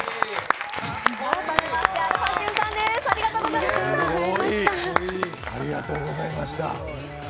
すごい、ありがとうございました。